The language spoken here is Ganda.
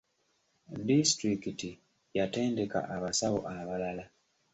Disitulikiti yatendeka abasawo abalala.